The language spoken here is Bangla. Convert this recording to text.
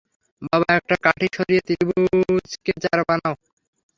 বাবা একটা কাঠি সরিয়ে ত্রিভুজকে চার বানাও।